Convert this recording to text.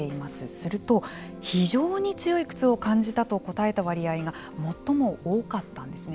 すると非常に強い苦痛を感じた割合が最も多かったんですね。